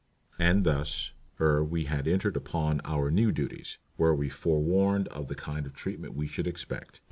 And thus, ere we had entered upon our new duties, were we forewarned of the kind of treatment we should expect.